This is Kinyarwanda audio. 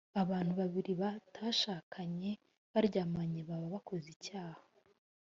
abantu babiri batashakanye baryamanye baba bakozicyaha.